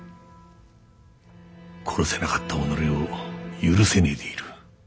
殺せなかった己を許せねえでいる。